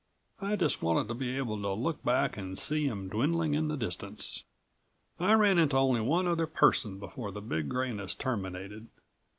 I just wanted to be able to look back and see him dwindling in the distance. I ran into only one other person before the Big Grayness terminated.